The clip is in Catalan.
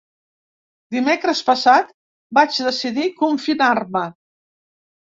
Dimecres passat vaig decidir confinar-me.